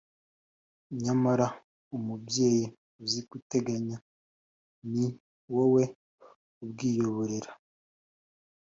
Nyamara, Mubyeyi uzi guteganya, ni wowe ubwiyoborera,